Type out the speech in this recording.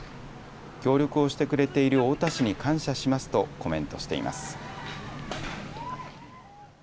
協力をしてくれている太田市に感謝しますとコメントしています。